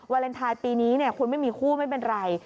วาเลนทรายปีนี้เนี่ยคุณไม่มีคู่ไม่เป็นไร